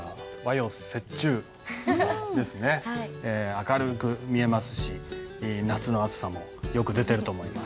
明るく見えますし夏の暑さもよく出てると思います。